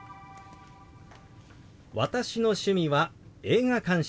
「私の趣味は映画鑑賞です」。